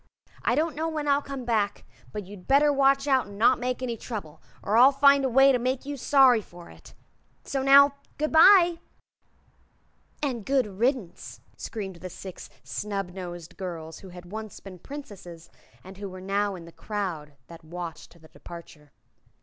I don't know when I'll come back, but you'd better watch out an' not make any trouble, or I'll find a way to make you sorry for it. So now, good bye!" "And good riddance!" screamed the Six Snubnosed Girls who had once been Princesses, and who were now in the crowd that watched the departure.